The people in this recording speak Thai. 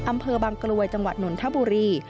อำเภอบางกลวยจังหวัดนนทบุรี